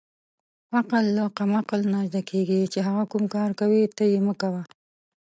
عقل له قمعل نه زدکیږی چی هغه کوم کار کوی ته یی مه کوه